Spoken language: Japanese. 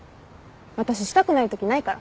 私したくないときないから。